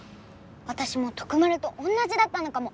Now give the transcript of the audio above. わたしもトクマルとおんなじだったのかも。